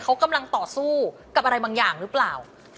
เขากำลังต่อสู้กับอะไรบางอย่างหรือเปล่า